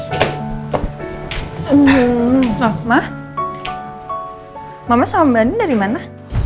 sama sama samban dari mana